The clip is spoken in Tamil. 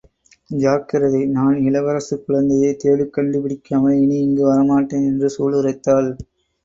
ஜாக்கிரதை!.... நான் இளவரசுக் குழந்தையைத் தேடிக் கண்டுபிடிக்காமல் இனி இங்கு வர மாட்டேன்! என்று சூளுரைத்தாள்.